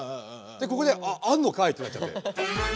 でここで「ああんのかい！」ってなっちゃって。